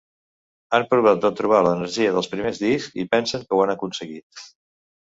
Han provat de trobar l'energia dels primers discs i pensen que ho han aconseguit.